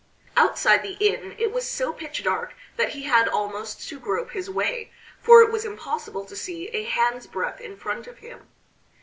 Outside the inn it was so pitch dark that he had almost to grope his way, for it was impossible to see a hand's breadth in front of him.